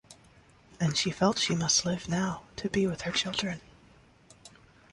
And she felt she must live now, to be with her children.